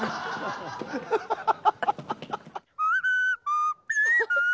ハハハハ！